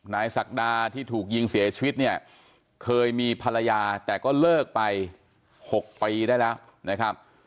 ศักดาที่ถูกยิงเสียชีวิตเนี่ยเคยมีภรรยาแต่ก็เลิกไป๖ปีได้แล้วนะครับ